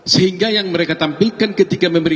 sehingga yang mereka tampilkan ketika